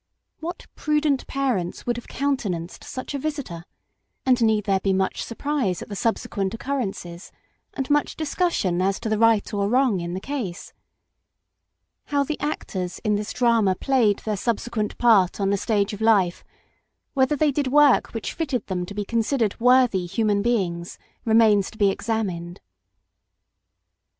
What prudent parents would have countenanced such a vistor ? And need there be much surprise at the subsequent occurrences, and much discussion as to the right or wrong in the case ? How the actors in this drama played their subsequent part on the stage of life ; whether they did work which fitted them to be considered worthy human beings remains to be examined.